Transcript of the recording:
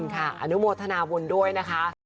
ค่ะอนุโมทนาบุญด้วยนะคะ